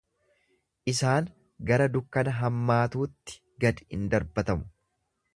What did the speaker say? Isaan gara dukkana hammaatuutti gad in darbatamu.